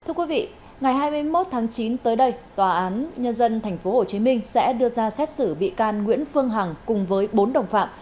thưa quý vị ngày hai mươi một tháng chín tới đây tòa án nhân dân tp hcm sẽ đưa ra xét xử bị can nguyễn phương hằng cùng với bốn đồng phạm